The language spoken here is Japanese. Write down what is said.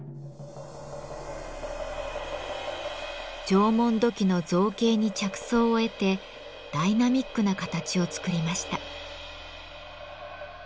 縄文土器の造形に着想を得てダイナミックな形を作りました。